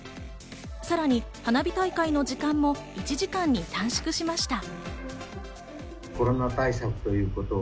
さらに花火大会の時間も１時間に短縮しました。